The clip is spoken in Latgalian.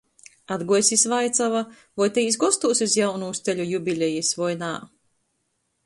Atguojs jis vaicuoja, voi ta īs gostūs iz jaunūs teļu jubilejis voi nā.